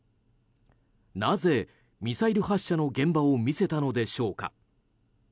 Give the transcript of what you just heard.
なぜミサイル発射の現場を見せたのでしょうか。